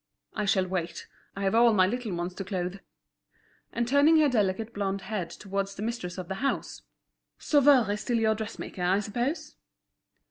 I shall wait. I have all my little ones to clothe." And turning her delicate blonde head towards the mistress of the house: "Sauveur is still your dressmaker, I suppose?"